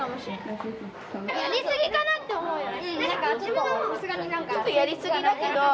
ちょっとやりすぎだけど。